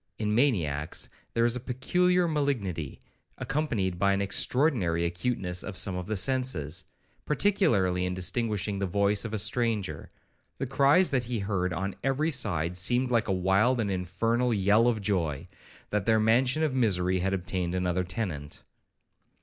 In maniacs there is a peculiar malignity, accompanied by an extraordinary acuteness of some of the senses, particularly in distinguishing the voice of a stranger. The cries that he heard on every side seemed like a wild and infernal yell of joy, that their mansion of misery had obtained another tenant.